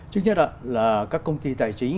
trước nhất là các công ty tài chính